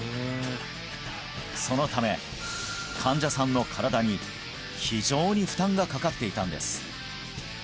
そのため患者さんの身体に非常に負担がかかっていたんです